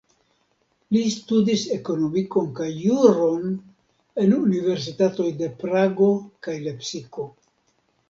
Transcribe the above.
Li studis ekonomikon kaj juron en universitatoj de Prago kaj Lepsiko.